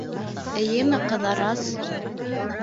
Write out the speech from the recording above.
Эйеме, Ҡыҙырас!